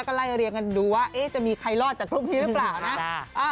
ก็ไล่เรียงกันดูว่าจะมีใครรอดจากพรุ่งนี้หรือเปล่านะ